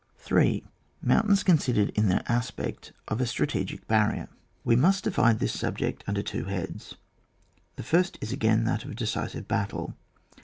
d, Jfountami comidered in iheir aspect of a strategic harrier. We must divide this subject under two heads. The first is again that of a decisive battle.